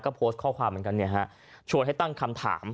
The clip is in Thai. ก็โพสต์ข้อความเหมือนกันเนี่ยฮะชวนให้ตั้งคำถาม